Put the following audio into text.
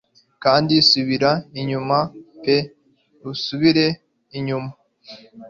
Kandi subira inyuma pe usubire inyuma.